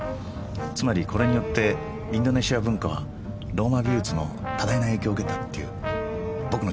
つまりこれによって「インドネシア文化はローマ美術の多大な影響を受けた」っていう僕の持論が証明されるわけです。